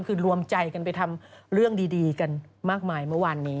คือรวมใจกันไปทำเรื่องดีกันมากมายเมื่อวานนี้